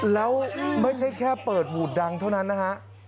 แล้วไม่ใช่แค่เปิดวูดดังเท่านั้นนะฮะ